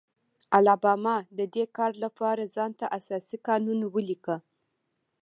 الاباما د دې کار لپاره ځان ته اساسي قانون ولیکه.